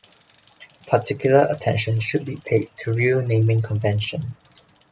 Particular attention should be paid to reel naming convention.